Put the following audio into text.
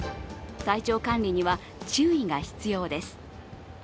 体調管理には注意が必要です。